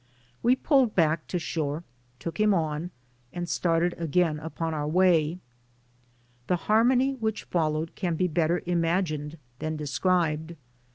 We pulled back to shore, took him on and started again upon our way. The harmony which followed can be better imag ined than described.